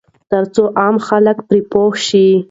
ترڅو عام خلک پرې پوه شي.